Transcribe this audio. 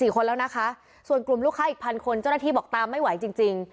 คนแล้วนะคะส่วนกลุ่มลูกค้าอีกพันคนเจ้าหน้าที่บอกตามไม่ไหวจริง